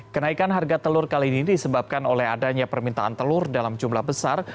kenaikan harga telur kali ini disebabkan oleh adanya permintaan telur dalam jumlah besar